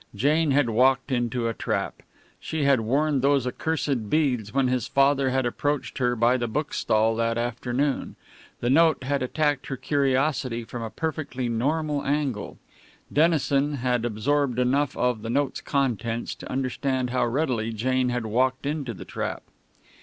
Jane had walked into a trap. She had worn those accursed beads when his father had approached her by the bookstall that afternoon. The note had attacked her curiosity from a perfectly normal angle. Dennison had absorbed enough of the note's contents to understand how readily Jane had walked into the trap.